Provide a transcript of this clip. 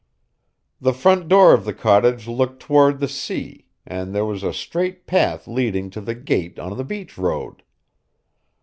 The front door of the cottage looked toward the sea, and there was a straight path leading to the gate on the beach road.